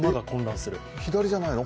左じゃないの？